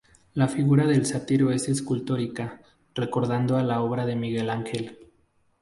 La figura del sátiro es escultórica, recordando a la obra de Miguel Ángel.